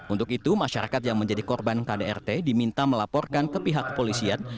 untuk itu masyarakat yang menjadi korban kdrt diminta melaporkan ke pihak kepolisian